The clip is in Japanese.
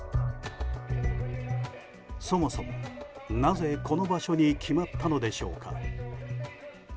そもそも、なぜこの場所に決まったのでしょうか。